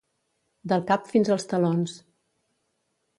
Del cap fins als talons.